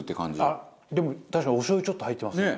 あっでも確かにおしょう油ちょっと入ってますね。